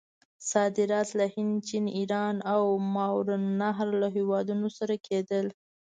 صادرات له هند، چین، ایران او ماورأ النهر له هیوادونو سره کېدل.